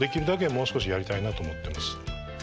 もう少しやりたいなと思ってます。